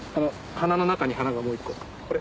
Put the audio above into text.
花の中に花がもう一個これ。